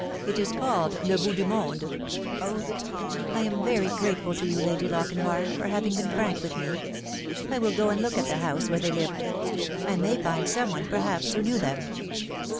It is called Le Bout du Monde." " I am very grateful to you, Lady Lochinvar, for having been frank with me. I will go and look at the house where they lived. I may find some one, perhaps, who knew them."